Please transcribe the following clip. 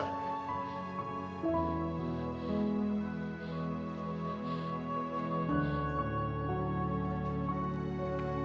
lah kok gue malah pergi sih